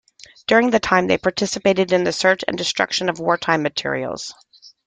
During this time they participated in the search and destruction of wartime materials.